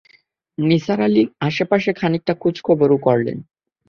নিসার আলি আশেপাশে খানিকটা খোঁজখবরও করলেন।